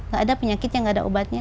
gak ada penyakit yang nggak ada obatnya